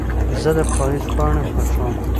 زه د پاییز پاڼې خوښوم.